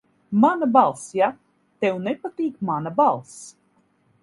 Mana balss, ja? Tev nepatīk mana balss.